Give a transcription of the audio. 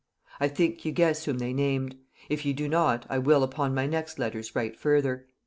I think ye guess whom they named; if ye do not, I will upon my next letters write further.